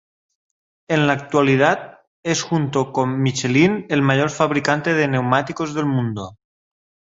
En la actualidad, es junto con Michelin el mayor fabricante de neumáticos del mundo.